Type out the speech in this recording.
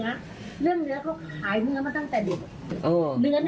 ว่ามีมีเนื้อเค้าขายเนื้อมาตั้งแต่เด็ก